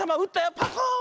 パコーン！